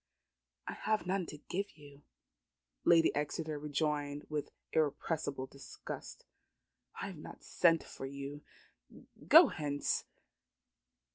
"I have none to give you," Lady Exeter rejoined with irrepressible disgust. "I have not sent for you. Go hence."